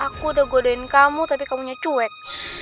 aku udah godein kamu tapi kamu nyacuek